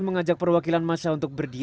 mengajak perwakilan masa untuk berdiri